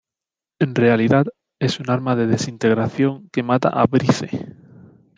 En realidad, es un arma de desintegración, que mata a Brice.